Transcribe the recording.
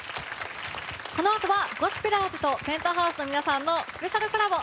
このあとはゴスペラーズとＰｅｎｔｈｏｕｓｅの皆さんのスペシャルコラボ。